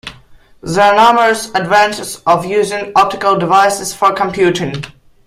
There are numerous advantages of using optical devices for computing.